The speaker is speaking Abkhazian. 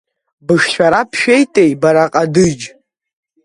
Бышшәара бшәеитеи бара ҟадыџь!